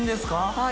はい。